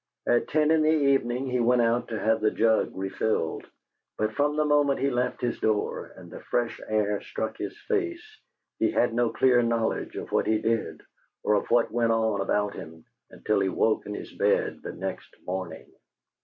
At ten in the evening he went out to have the jug refilled, but from the moment he left his door and the fresh air struck his face, he had no clear knowledge of what he did or of what went on about him until he woke in his bed the next morning.